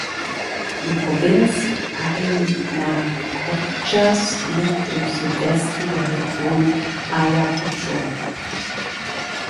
Die Provinz Parinacochas liegt im Südwesten der Region Ayacucho.